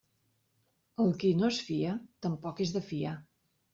El que no es fia, tampoc és de fiar.